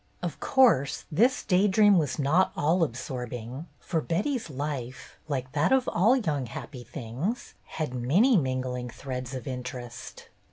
'' Of course this day dream was not all absorbing, for Betty's life, like that of all young happy things, had many mingling threads of interest.